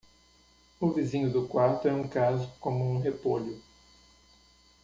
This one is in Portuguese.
O vizinho do quarto é um caso como um repolho.